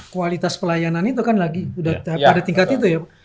kualitas pelayanan itu kan lagi sudah pada tingkat itu ya